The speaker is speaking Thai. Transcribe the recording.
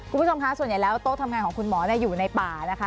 คุณผู้ชมคะส่วนใหญ่แล้วโต๊ะทำงานของคุณหมออยู่ในป่านะคะ